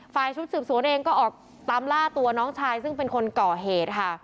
ชุดสืบสวนเองก็ออกตามล่าตัวน้องชายซึ่งเป็นคนก่อเหตุค่ะ